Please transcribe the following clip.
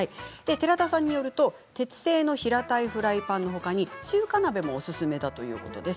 寺田さんによると鉄製の平たいフライパンのほかに中華鍋もおすすめだということです。